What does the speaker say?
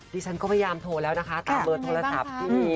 ดิฉันก็พยายามโทรแล้วนะคะตามเบอร์โทรศัพท์ที่มี